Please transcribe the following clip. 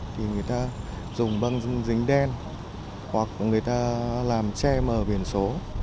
thì người ta dùng băng dính đen hoặc người ta làm xe mờ biển số